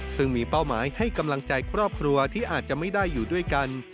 ซึ่งมีเป้าหมายให้กำลังใจครอบครัวที่อาจจะไม่ได้อยู่ด้วยกัน